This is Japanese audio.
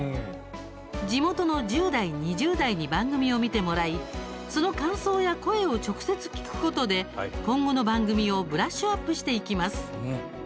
地元の１０代、２０代に番組を見てもらいその感想や声を直接、聞くことで今後の番組をブラッシュアップしていきます。